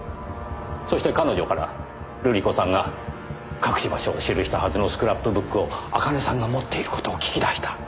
そして彼女から瑠璃子さんが隠し場所を記したはずのスクラップブックを茜さんが持っている事を聞き出した。